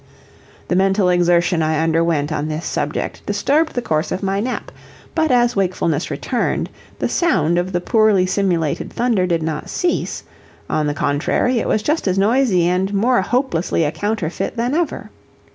The mental exertion I underwent on this subject disturbed the course of my nap, but as wakefulness returned, the sound of the poorly simulated thunder did not cease; on the contrary, it was just as noisy, and more hopelessly a counterfeit than ever.